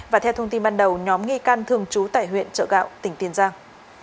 và theo thông tin ban đầu nhóm nghi can thường trú tại huyện chợ gạo tỉnh tiền giang